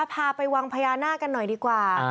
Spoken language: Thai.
พาไปวังพญานาคกันหน่อยดีกว่า